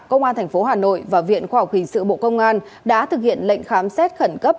công an tp hà nội và viện khoa học hình sự bộ công an đã thực hiện lệnh khám xét khẩn cấp